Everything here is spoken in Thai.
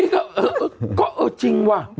ก็เออจริงว่า